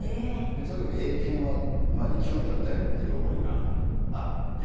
でとにかく英検は２級まで取りたいっていう思いがあって。